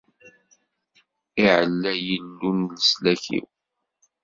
Iɛella Yillu n leslak-iw!